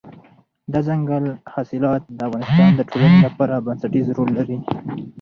دځنګل حاصلات د افغانستان د ټولنې لپاره بنسټيز رول لري.